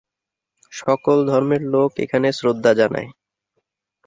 সকল ধর্মের লোক এখানে শ্রদ্ধা জনায়।